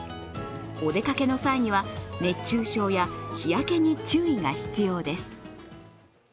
お出かけの際には、熱中症や日焼けに注意が必要です。